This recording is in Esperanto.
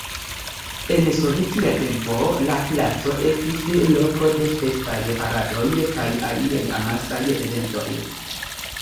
En sovetia tempo la placo estis loko de festaj paradoj kaj aliaj amasaj eventoj.